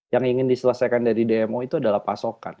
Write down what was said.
yang ingin diselesaikan dari dmo itu adalah pasokan